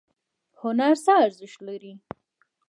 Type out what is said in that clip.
هنر څه ارزښت لري؟